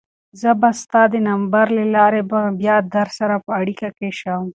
زه به ستا د نمبر له لارې بیا درسره په اړیکه کې شم.